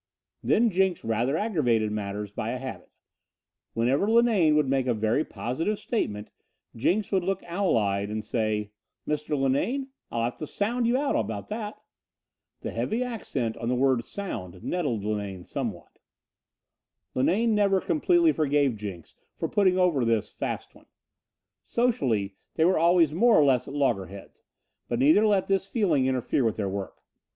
Then Jenks rather aggravated matters by a habit. Whenever Linane would make a very positive statement Jenks would look owl eyed and say: "Mr. Linane, I'll have to sound you out about that." The heavy accent on the word "sound" nettled Linane somewhat. Linane never completely forgave Jenks for putting over this "fast one." Socially they were always more or less at loggerheads, but neither let this feeling interfere with their work.